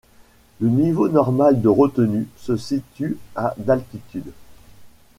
Le niveau normal de retenue se situe à d'altitude.